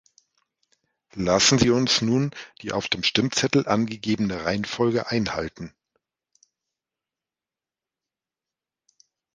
Lassen Sie uns nun die auf dem Stimmzettel angegebene Reihenfolge einhalten.